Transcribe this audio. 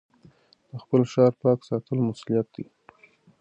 د خپل ښار پاک ساتل مسؤلیت دی.